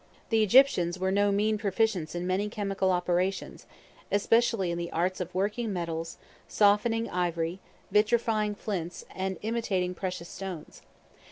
The Egyptians were no mean proficients in many chemical operations, especially in the arts of working metals, softening ivory, vitrifying flints, and imitating precious stones.